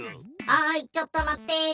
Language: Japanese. はいちょっと待って。